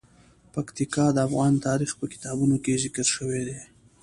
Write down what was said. پکتیکا د افغان تاریخ په کتابونو کې ذکر شوی دي.